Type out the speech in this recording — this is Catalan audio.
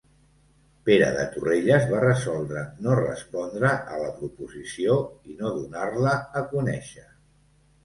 Pere de Torrelles va resoldre no respondre a la proposició i no donar-la a conèixer.